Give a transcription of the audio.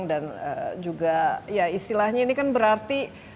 dan juga ya istilahnya ini kan berarti